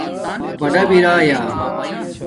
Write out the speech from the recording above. بڑا برایْآ